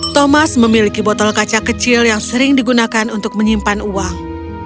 thomas memiliki botol kaca kecil yang sering digunakan untuk menyimpan uang